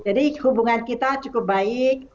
jadi hubungan kita cukup baik